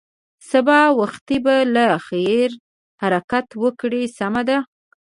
سبا وختي به له خیره حرکت وکړې، سمه ده.